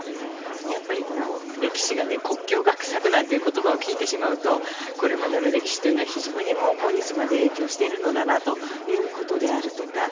やっぱり、歴史で国境合作なるものを聞いてしまうとこれまでの歴史というのは非常に今日まで影響しているんだなということであるとか。